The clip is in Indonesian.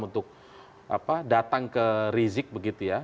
untuk datang ke rizik begitu ya